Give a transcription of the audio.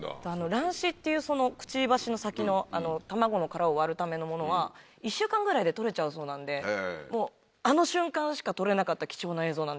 卵歯っていうくちばしの先の卵の殻を割るためのものは１週間ぐらいで取れちゃうそうなんであの瞬間しか撮れなかった貴重な映像なんですよ。